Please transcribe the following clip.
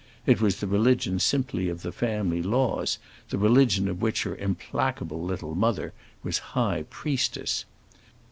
It was the religion simply of the family laws, the religion of which her implacable little mother was the high priestess.